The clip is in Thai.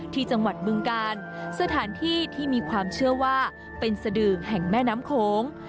ที่จังหวัดบึงกาลสถานที่ที่มีความเชื่อว่าเป็นสดือแห่งแม่น้ำโขง